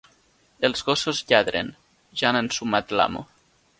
Els gossos lladren: ja han ensumat l'amo.